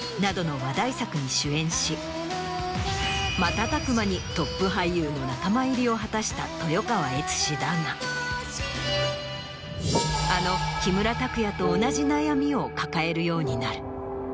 話題作に主演し瞬く間にトップ俳優の仲間入りを果たした豊川悦司だがあの木村拓哉と同じ悩みを抱えるようになる。